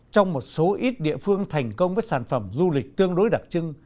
trong một số ít địa phương thành công với sản phẩm du lịch tương đối đặc trưng